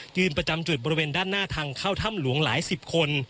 ประจำจุดบริเวณด้านหน้าทางเข้าถ้ำหลวงหลายสิบคน